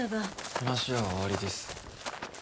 話は終わりです。